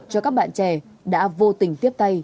cho các bạn trẻ đã vô tình tiếp tay